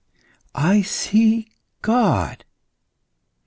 I see God!"